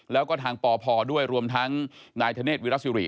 แล้วก็ทางปพด้วยรวมทั้งนายธเนธวิรสิริ